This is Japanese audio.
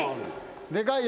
でかいよ。